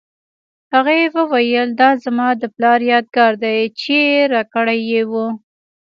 هغې وویل دا زما د پلار یادګار دی چې راکړی یې و